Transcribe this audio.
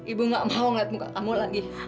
ibu gak mau ngeliat muka kamu lagi